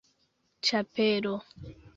ĉapelo